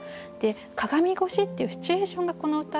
「鏡越し」っていうシチュエーションがこの歌